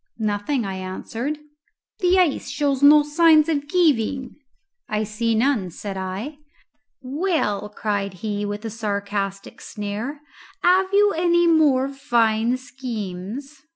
"Nothing," I answered. "The ice shows no signs of giving?" "I see none," said I. "Well," cried he, with a sarcastic sneer, "have you any more fine schemes?"